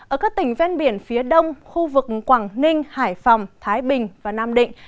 ở các tỉnh ven biển phía đông khu vực quảng ninh hải phòng thái bình và nam định